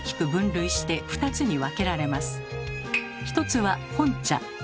１つは本茶。